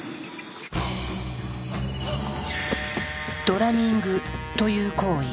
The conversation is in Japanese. ドラミングという行為。